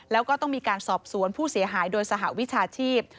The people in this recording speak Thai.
แล้วก็ต้องมีการสอบสวนผู้เสียหายโดยสหวิชาชีพ